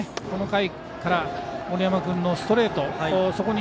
この回から森山君のストレート